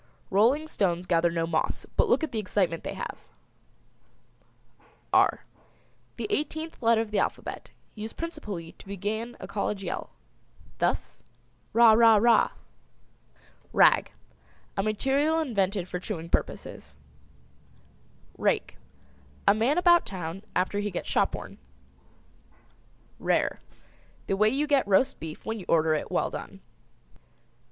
Rolling stones gather no moss but look at the excitement they have. ### R: The eighteenth letter of the alphabet, used principally to began a college yell; thus, Rah! Rah! Rah! ### RAG. A material invented for chewing purposes. RAKE. A man about town after he gets shop worn. RARE. The way you get roast beef when you order it well done.